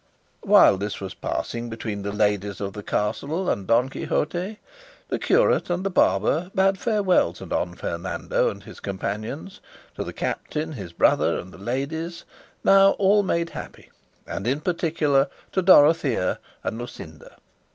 While this was passing between the ladies of the castle and Don Quixote, the curate and the barber bade farewell to Don Fernando and his companions, to the captain, his brother, and the ladies, now all made happy, and in particular to Dorothea and Luscinda.